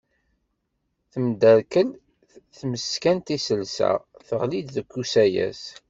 Temḍerkal tmeskant iselsa, teɣli deg usayes.